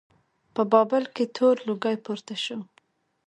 په بابل کې تور لوګی پورته شي.